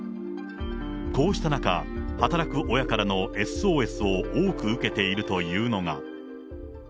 こうした中、働く親からのＳＯＳを多く受けているというのが。